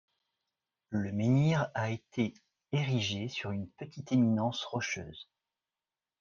Le menhir a été érigé sur une petite éminence rocheuse.